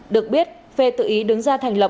được biết phê tự ý đứng ra thành lập